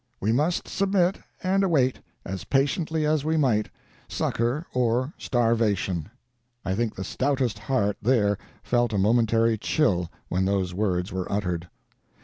We must submit, and await, as patiently as we might, succor or starvation! I think the stoutest heart there felt a momentary chill when those words were uttered.